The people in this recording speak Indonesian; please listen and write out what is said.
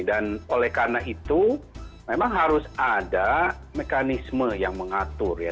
dan oleh karena itu memang harus ada mekanisme yang mengatur ya